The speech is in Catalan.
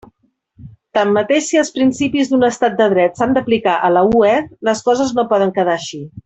Tanmateix si els principis d'un estat de dret s'han d'aplicar a la UE, les coses no poden quedar així.